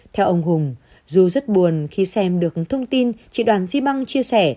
theo ông hùng dù rất buồn khi xem được thông tin chị đoàn zibang chia sẻ